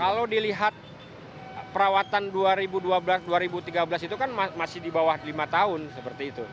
kalau dilihat perawatan dua ribu dua belas dua ribu tiga belas itu kan masih di bawah lima tahun seperti itu